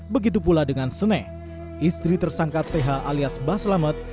begitu pula dengan seneh istri tersangka th alias mbah selamet